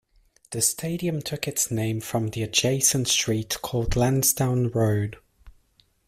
The stadium took its name from the adjacent street called Landsdowne Road.